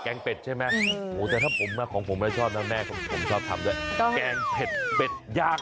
แกงเป็ดใช่ไหมโหแต่ถ้าของผมไม่ชอบนะแม่ผมชอบทำแกงเผ็ดเบ็ดยาก